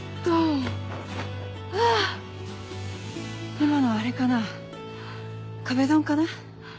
今のあれかな壁ドンかな？